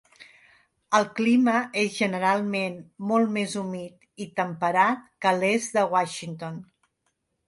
El clima és generalment molt més humit i temperat que l'est de Washington.